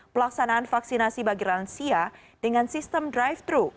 pelaksanaan vaksinasi bagi lansia dengan sistem drive thru